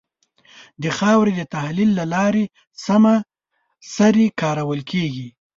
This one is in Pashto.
د خاورې د تحلیل له لارې سمه سري کارول کېږي.